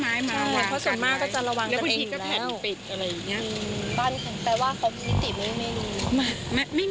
หมู่บ้านนี้กี่ปีแล้วพี่